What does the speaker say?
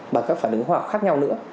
bằng các phản ứng hoạt khác nhau nữa